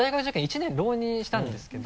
１年浪人したんですけど。